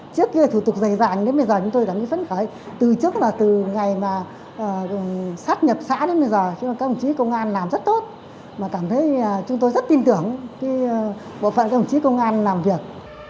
chúng tôi rất tin tưởng bộ phận đồng chí công an làm việc